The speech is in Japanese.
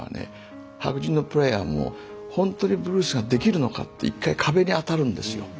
白人のプレーヤーもほんとにブルースができるのかって一回壁に当たるんですよ。